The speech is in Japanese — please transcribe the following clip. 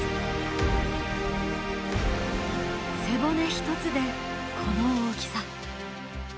背骨一つでこの大きさ。